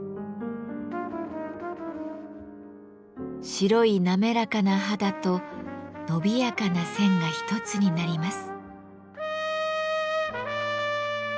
白い滑らかな肌と伸びやかな線が一つになります。